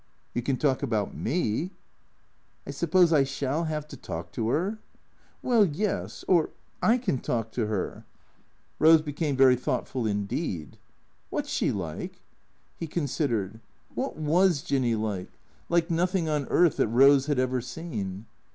" You can talk about me." "I suppose I shall 'ave to talk to her?" " Well — yes. Or — I can talk to her." 134 THE C Ft E A TORS Eose became very thoughtful indeed. "Wot's she like?" He considered. Wliat was Jinny like? Like nothing on earth that Eose had ever seen.